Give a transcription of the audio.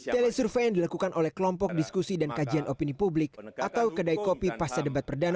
dari survei yang dilakukan oleh kelompok diskusi dan kajian opini publik atau kedai kopi pasca debat perdana